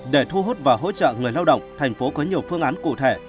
để thu hút và hỗ trợ người lao động thành phố có nhiều phương án cụ thể